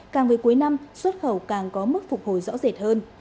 càng về cuối năm xuất khẩu càng có mức phục hồi rõ rệt hơn